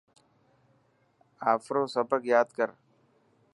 آڦرو سبق ياد ڪر.